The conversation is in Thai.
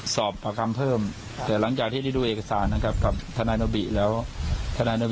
สอบกับเรื่องการเยอะกว่า